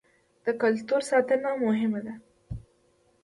د کلتور ساتنه مهمه ده.